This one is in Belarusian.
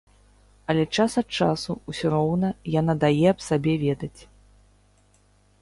Але час ад часу ўсё роўна яна дае аб сабе ведаць.